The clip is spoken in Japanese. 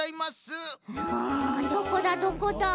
んどこだどこだ？